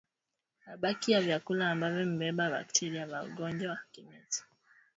Mabaki ya vyakula ambavyo vimebeba bakteria vya ugonjwa wa kimeta